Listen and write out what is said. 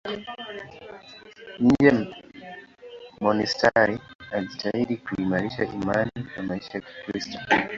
Nje ya monasteri alijitahidi kuimarisha imani na maisha ya Kikristo.